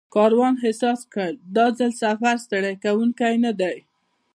کاروان احساس کړ دا ځل سفر ستړی کوونکی نه دی.